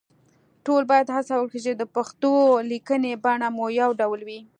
ټول باید هڅه وکړو چې د پښتو لیکنې بڼه مو يو ډول وي